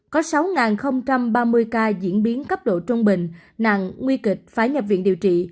có sáu ba mươi ca diễn biến cấp độ trung bình nặng nguy kịch phải nhập viện điều trị